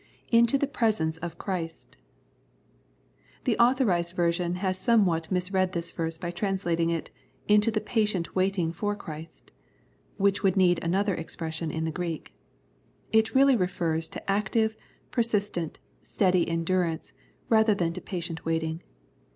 ''Into the 'patience of Christ:^ The Authorised Version has somewhat misread this verse hy translating it " into the patient waiting for Christ," which would need another expression in the Greek. It really refers to active, persistent, steady endurance rather than to patient waiting.